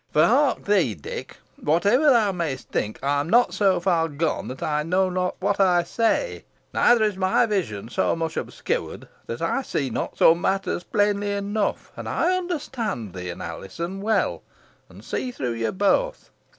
For hark thee, Dick, whatever thou mayst think, I am not so far gone that I know not what I say, neither is my vision so much obscured that I see not some matters plainly enough, and I understand thee and Alizon well, and see through you both.